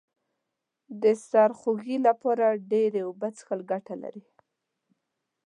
د سرخوږي لپاره ډیرې اوبه څښل گټه لري